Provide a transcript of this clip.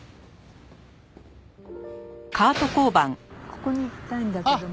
ここに行きたいんだけども。